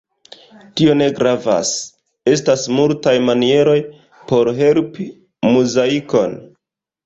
Tio ne gravas: estas multaj manieroj por helpi Muzaikon.